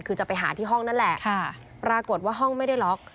คือจะไปหาที่ห้องนั่นแหละปรากฏว่าห้องไม่ได้ล็อก